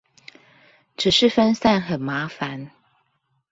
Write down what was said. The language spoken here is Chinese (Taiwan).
只是分散很麻煩